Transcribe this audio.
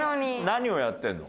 何をやってるの？